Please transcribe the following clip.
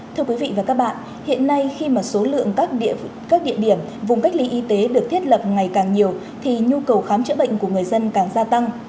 thưa quý vị và các bạn hiện nay khi mà số lượng các địa điểm vùng cách ly y tế được thiết lập ngày càng nhiều thì nhu cầu khám chữa bệnh của người dân càng gia tăng